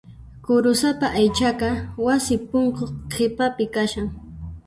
Kurusapa aychaqa wasi punku qhipapi kashan.